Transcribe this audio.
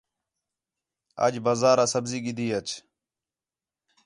اڄ بازارا سبزی گِھدی اچ